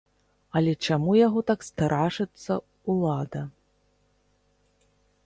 Але чаму яго так страшыцца ўлада?